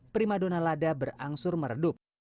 prima dona lada berangsur meredup